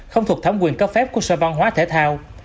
không thuộc thấm quyền cấp phép của sở văn hóa thể thao